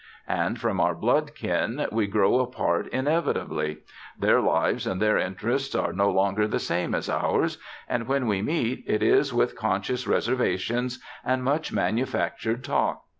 And from our blood kin we grow apart inevitably. Their lives and their interests are no longer the same as ours, and when we meet it is with conscious reservations and much manufactured talk.